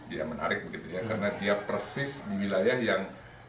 dari penelitian dari pengukuran geodesi geologi